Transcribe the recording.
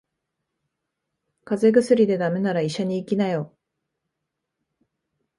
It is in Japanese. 風邪薬で駄目なら医者に行きなよ。